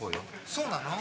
そうなの？